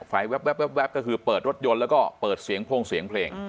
แว๊บก็คือเปิดรถยนต์แล้วก็เปิดเสียงโพรงเสียงเพลง